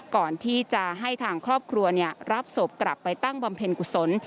ก่อนที่จะให้ทางครอบครัวรับศพกลับไปตั้งบำเพ็ญกุศล